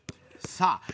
さあ